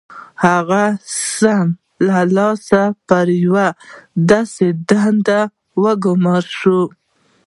هغه سم له لاسه پر یوې داسې دندې وګومارل شو